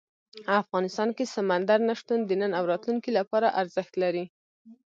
افغانستان کې سمندر نه شتون د نن او راتلونکي لپاره ارزښت لري.